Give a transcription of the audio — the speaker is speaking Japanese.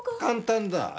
簡単だ。